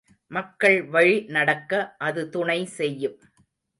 மக்கள் வழி நடக்க அது துணை செய்யும்.